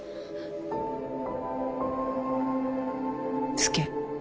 佐。